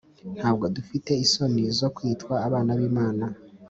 Ntabwo dufite isoni zo kwitwa Abana b’Imana